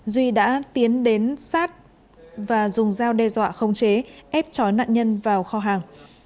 duy đã tiến đến sát và dùng dao đe dọa khống chế ép trói nạn nhân vào kho hàng